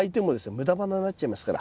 無駄花になっちゃいますから。